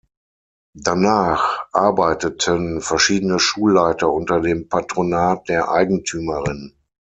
Danach arbeiteten verschiedene Schulleiter unter dem Patronat der Eigentümerin.